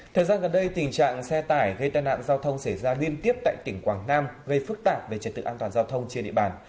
thời gian gần đây tình trạng xe tải gây tai nạn giao thông xảy ra liên tiếp tại tỉnh quảng nam gây phức tạp về trật tự an toàn giao thông trên địa bàn